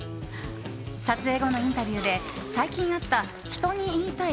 撮影後のインタビューで最近あった人に言いたい！